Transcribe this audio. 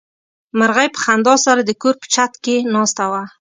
مرغۍ په خندا سره د کور په چت کې ناسته وه.